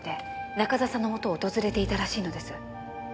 中沢さんのもとを訪れていたらしいのです。